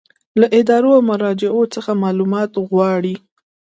له ادارو او مراجعو څخه معلومات غواړي.